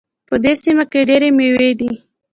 په دې سیمه کې ډېري میوې دي